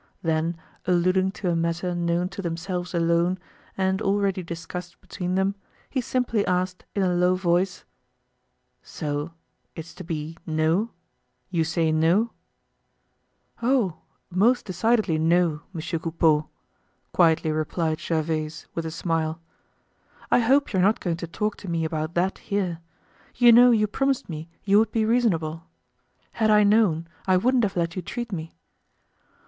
Then, alluding to a matter known to themselves alone, and already discussed between them, he simply asked in a low voice: "So it's to be 'no'? you say 'no'?" "Oh! most decidedly 'no' Monsieur Coupeau," quietly replied Gervaise with a smile. "I hope you're not going to talk to me about that here. You know you promised me you would be reasonable. Had I known, I wouldn't have let you treat me."